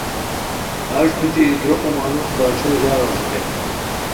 ہݰ بیتی ای دروخوم انوس باچھو ژاؤ اژیتائے